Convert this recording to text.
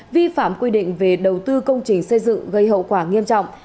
vi phạm quy định về đầu tư công trình xây dựng gây hậu quả nghiêm trọng